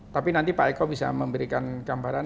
tapi nanti pak eko bisa memberikan gambaran